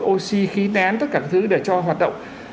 oxy khí nén tất cả thứ để cho hoạt động